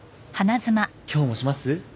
今日もします？